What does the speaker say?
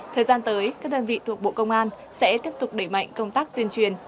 thời gian tới các đơn vị thuộc bộ công an sẽ tiếp tục đẩy mạnh công tác tuyên truyền